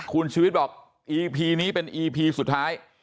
คุณชีวิตบอกอีพีนี้เป็นอีพีสุดท้าย